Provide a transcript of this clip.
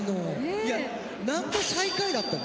いや何で最下位だったの？